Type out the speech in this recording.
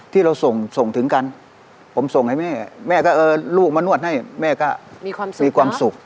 ที่เราส่งถึงกันผมส่งให้แม่แม่ก็ลูกมานวดให้แม่ก็มีความสุข